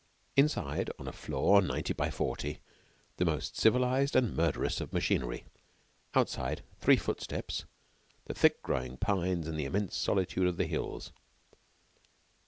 Inside, on a floor ninety by forty, the most civilized and murderous of machinery. Outside, three footsteps, the thick growing pines and the immense solitude of the hills.